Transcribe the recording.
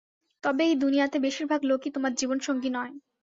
তবে এই দুনিয়াতে বেশিরভাগ লোকই তোমার জীবনসঙ্গী নয়।